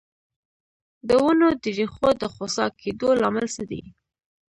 د ونو د ریښو د خوسا کیدو لامل څه دی؟